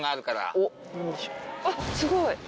あっすごい！